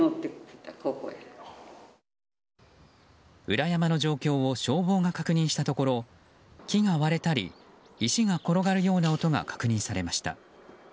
裏山の状況を消防が確認したところ木が割れたり石が転がるような音が確認されました。